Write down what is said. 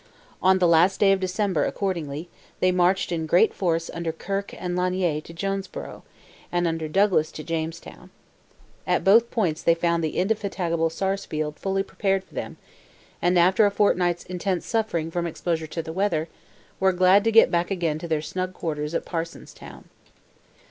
On the last day of December, accordingly, they marched in great force under Kirke and Lanier to Jonesboro', and under Douglas to Jamestown. At both points they found the indefatigable Sarsfield fully prepared for them, and after a fortnight's intense suffering from exposure to the weather, were glad to get back again to their snug quarters at Parsonstown.